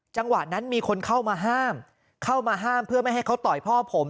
จังหวะนั้นมีคนเข้ามาห้ามเพื่อไม่ให้เขาต่อยพ่อผม